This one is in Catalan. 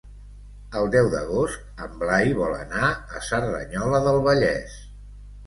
El deu d'agost en Blai vol anar a Cerdanyola del Vallès.